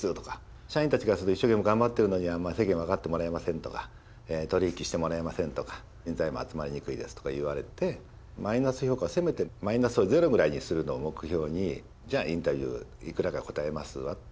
社員たちからすると一生懸命頑張ってるのに世間に分かってもらえませんとか取り引きしてもらえませんとか人材も集まりにくいですとか言われてマイナス評価をせめてマイナスをゼロぐらいにするのを目標にじゃあインタビューいくらか答えますわっていう感じで。